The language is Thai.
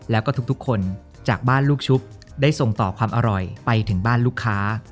แล้วก็ทุกคนจากบ้านลูกชุบได้ส่งต่อความอร่อยไปถึงบ้านลูกค้า